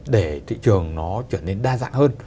để thị trường nó trở nên đa dạng hơn